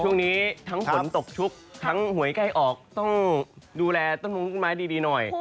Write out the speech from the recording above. ช่วงนี้ทั้งผลตกชุบทั้งหวยใกล้ออกต้องดูแลต้นผดีหน่อย